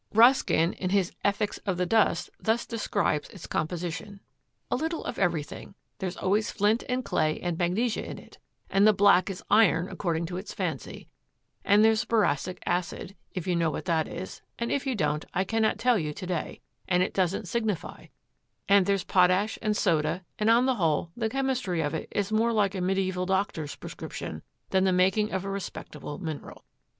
Ruskin, in his "Ethics of the Dust," thus describes its composition: "A little of everything; there's always flint and clay and magnesia in it; and the black is iron according to its fancy; and there's boracic acid, if you know what that is, and if you don't, I cannot tell you to day, and it doesn't signify; and there's potash and soda, and, on the whole, the chemistry of it is more like a mediæval doctor's prescription than the making of a respectable mineral."